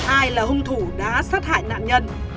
ai là hung thủ đã sát hại nạn nhân